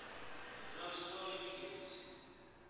Tebna leṣwaṛ i yiger-is.